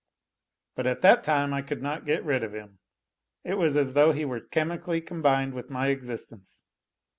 But at that time I could not get rid of him, it was as though he were chemically combined with my existence.